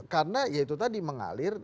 karena itu tadi mengalir